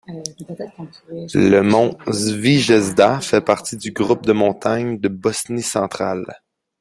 Le mont Zvijezda fait partie du groupe de montagnes de Bosnie centrale.